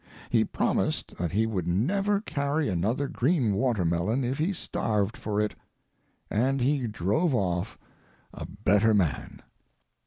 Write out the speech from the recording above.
He promised that he would never carry another green watermelon if he starved for it. And he drove off—a better man.